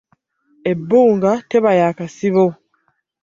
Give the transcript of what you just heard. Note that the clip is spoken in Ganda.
Ebunga teba ya kasibo .